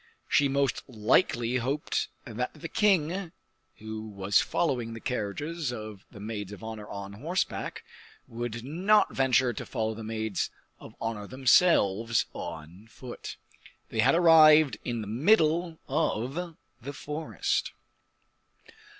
She most likely hoped that the king, who was following the carriages of the maids of honor on horseback, would not venture to follow the maids of honor themselves on foot. They had arrived in the middle of the forest.